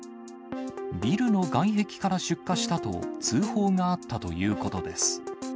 ビルの外壁から出火したと通報があったということです。